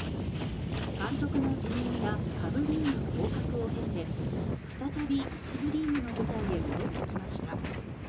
監督の辞任や、下部リーグ降格を経て再び１部リーグの舞台へ戻ってきました。